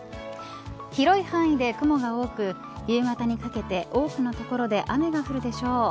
広い範囲で雲が多く夕方にかけて多くの所で雨が降るでしょう。